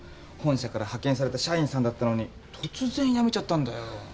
本社から派遣された社員さんだったのに突然辞めちゃったんだよ。